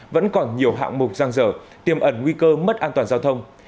vẫn có nhiều hạng mục giang rở tiềm ẩn nguy cơ mất an toàn giao thông